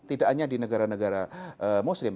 tidak hanya di negara negara muslim